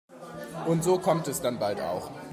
Und so kommt es dann bald auch.